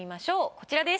こちらです。